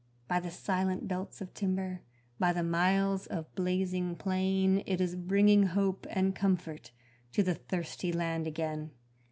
By the silent belts of timber, by the miles of blazing plain It is bringing hope and comfort to the thirsty land again.